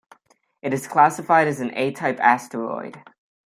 It is classified as an A-type asteroid.